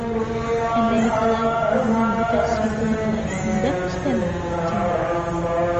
— Әллә Николай үҙенең бөтә свитаһы менән бында күскәнме? — тине.